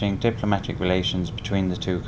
giữa hai nước